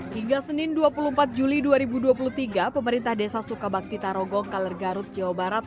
hingga senin dua puluh empat juli dua ribu dua puluh tiga pemerintah desa sukabakti tarogong kaler garut jawa barat